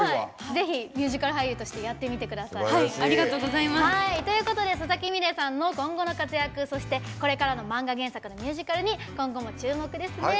ぜひミュージカル俳優としてやってみてください。ということで佐々木美玲さんの今後の活躍そして、これからの漫画原作のミュージカルに今後も注目ですね。